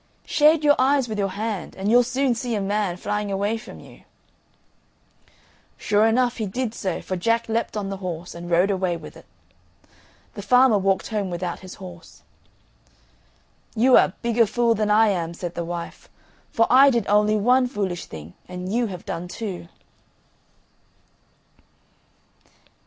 "Shade your eyes with your hand, and you'll soon see a man flying away from you." Sure enough he did so, for Jack leaped on the horse, and rode away with it. The farmer walked home without his horse. "You are a bigger fool than I am," said the wife; "for I did only one foolish thing, and you have done two."